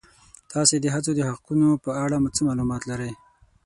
تاسې د ښځو د حقونو په اړه څه معلومات لرئ؟